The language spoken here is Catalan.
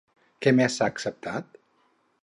Què més s'ha acceptat?